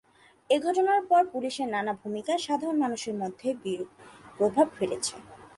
এ ঘটনার পর পুলিশের নানা ভূমিকা সাধারণ মানুষের মধ্যে বিরূপ প্রভাব ফেলেছে।